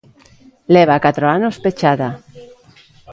Leva catro anos pechada.